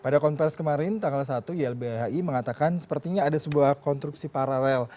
pada konferensi kemarin tanggal satu ylbhi mengatakan sepertinya ada sebuah konstruksi paralel